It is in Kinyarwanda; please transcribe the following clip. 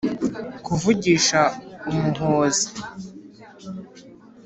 kuvugisha umuhozi